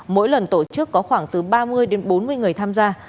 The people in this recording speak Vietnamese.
mỗi lần tổ chức có khoảng từ ba mươi đến bốn mươi người tham gia